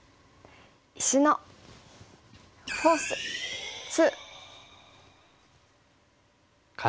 「石のフォース２」。